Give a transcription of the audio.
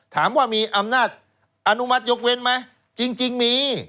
ถามว่ามีอำนาจอนุมัติยกเว้นไหมจริงมี